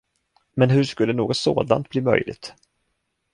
Men hur skulle något sådant bli möjligt?